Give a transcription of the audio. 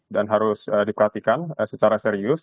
dan harus diperhatikan secara serius